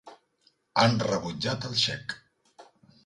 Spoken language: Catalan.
Han rebutjat el xec.